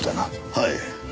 はい。